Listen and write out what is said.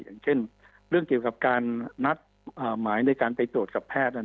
อย่างเช่นเรื่องเกี่ยวกับการนัดหมายในการไปตรวจกับแพทย์